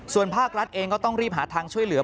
ส่วนภาครัฐเองก็ต้องรีบหาทางช่วยเหลือ